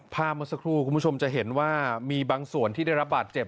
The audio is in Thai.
เมื่อสักครู่คุณผู้ชมจะเห็นว่ามีบางส่วนที่ได้รับบาดเจ็บ